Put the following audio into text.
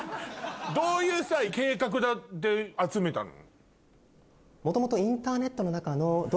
どういう計画で集めたの？